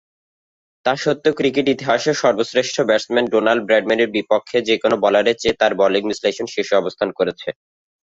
তাস্বত্ত্বেও cricket ইতিহাসের সর্বশ্রেষ্ঠ batsman Donald ব্র্যাডম্যানের বিপক্ষে যে-কোন বোলারের চেয়ে তার বোলিং বিশ্লেষণ শীর্ষে অবস্থান করেছে।